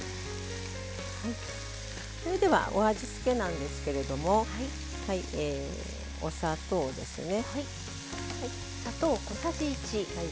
それではお味付けなんですけどもお砂糖ですね。